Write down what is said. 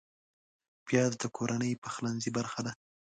پیاز د کورنۍ پخلنځي برخه ده